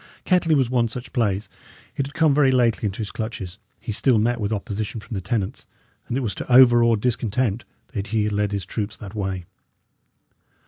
Kettley was one such place; it had come very lately into his clutches; he still met with opposition from the tenants; and it was to overawe discontent that he had led his troops that way.